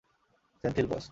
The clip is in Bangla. সেন্থিল, বস।